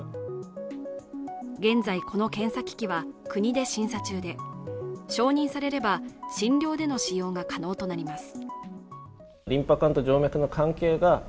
現在、この検査機器は国で審査中で承認されれば、診療での使用が可能となります。